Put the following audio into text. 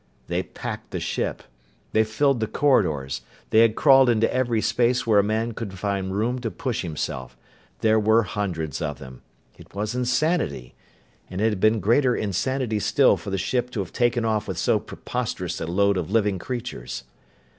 They packed the ship. They filled the corridors. They had crawled into every space where a man could find room to push himself. There were hundreds of them. It was insanity. And it had been greater insanity still for the ship to have taken off with so preposterous a load of living creatures.